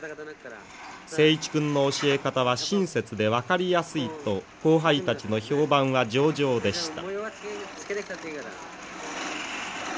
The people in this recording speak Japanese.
「斉一君の教え方は親切で分かりやすい」と後輩たちの評判は上々でした。